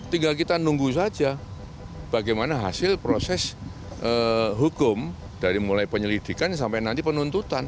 tinggal kita nunggu saja bagaimana hasil proses hukum dari mulai penyelidikan sampai nanti penuntutan